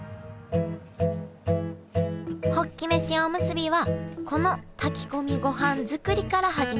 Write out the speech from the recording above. ホッキ飯おむすびはこの炊き込みごはん作りから始めます。